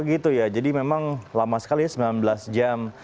gitu ya jadi memang lama sekali sembilan belas jam